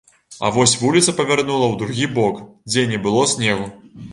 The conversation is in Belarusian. А вось вуліца павярнула ў другі бок, дзе не было снегу.